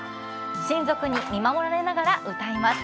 親族に見守られながら歌います